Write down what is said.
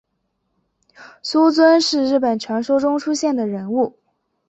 素呜尊是日本传说中出现的人物。